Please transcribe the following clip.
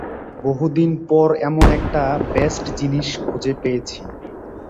বহুদিন পর এমন একটা বেস্ট জিনিস খুঁজে পেয়েছি।